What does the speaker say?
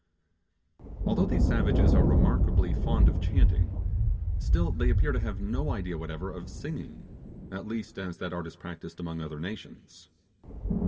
........ Although these savages are remarkably fond of chanting, still they appear to have no idea whatever of singing, at least as the art is practised in other nations.